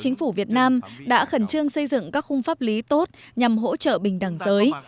chính phủ việt nam đã khẩn trương xây dựng các khung pháp lý tốt nhằm hỗ trợ bình đẳng giới